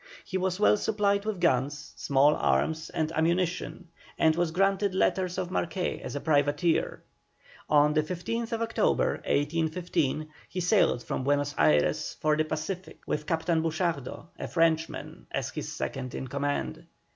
He was well supplied with guns, small arms, and ammunition, and was granted letters of marque as a privateer. On the 15th October, 1815, he sailed from Buenos Ayres for the Pacific with Captain Buchardo, a Frenchman, as his second in command.